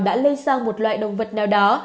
đã lây sang một loại động vật nào đó